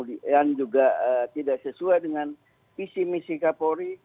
yang juga tidak sesuai dengan visi misi kapolri